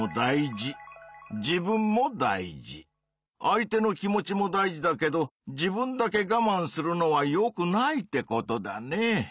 相手の気持ちも大事だけど自分だけがまんするのはよくないってことだね。